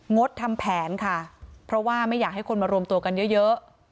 ดทำแผนค่ะเพราะว่าไม่อยากให้คนมารวมตัวกันเยอะ